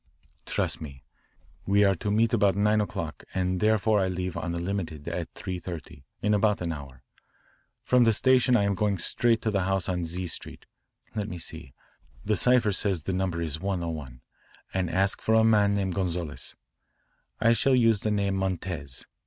"Trust me. We are to meet about nine o'clock and therefore I leave on the limited at three thirty, in about an hour. From the station I am going straight to the house on Z Street let me see, the cipher says the number is 101 and ask for a man named Gonzales. I shall use the name Montez.